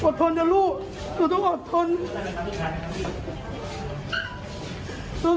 ทนนะลูกหนูต้องอดทน